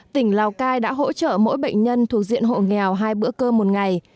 tỉnh lào cai đã hỗ trợ mỗi bệnh nhân thuộc diện hộ nghèo hai bữa cơm một ngày